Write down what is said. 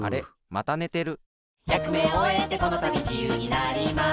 またねてる。